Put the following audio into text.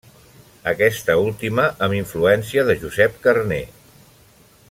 Aquesta última amb influència de Josep Carner.